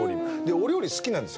お料理好きなんですよ